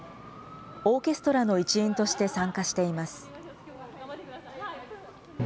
オーケストラの一員として参加しています。